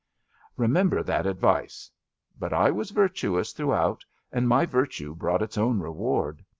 '' Bemember that advice. But I was virtuous throughout, and my virtue brought its own reward.